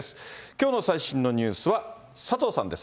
きょうの最新のニュースは、佐藤さんです。